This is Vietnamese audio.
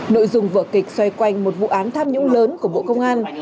nội dung vở kịch xoay quanh một vụ án tham nhũng lớn của bộ công an